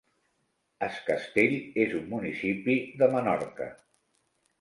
Es Castell és un municipi de Menorca.